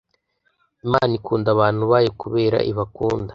Imana ikunda abantu bayo kubera ibakunda